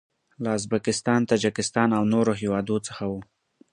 له ازبکستان، تاجکستان او نورو هیوادو څخه و.